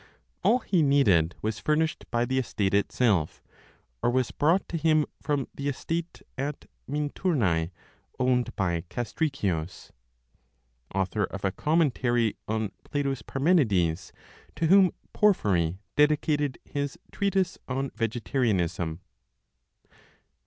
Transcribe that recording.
All he needed was furnished by the estate itself, or was brought to him from the estate at Minturnae, owned by Castricius (author of a Commentary on Plato's Parmenides, to whom Porphyry dedicated his treatise on Vegetarianism).